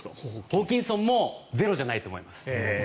ホーキンソンもゼロじゃないと思います。